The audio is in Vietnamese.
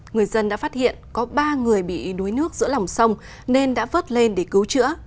người dân đã phát hiện có ba người bị đuối nước giữa lòng sông nên đã vớt lên để cứu chữa